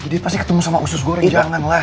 pasti ketemu sama usus goreng janganlah